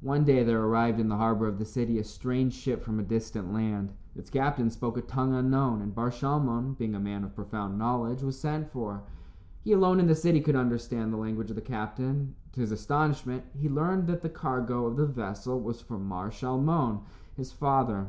One day there arrived in the harbor of the city a strange ship from a distant land. Its captain spoke a tongue unknown, and Bar Shalmon, being a man of profound knowledge, was sent for. He alone in the city could understand the language of the captain. To his astonishment, he learned that the cargo of the vessel was for Mar Shalmon, his father.